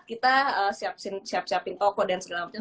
kita siap siapin toko dan segala macam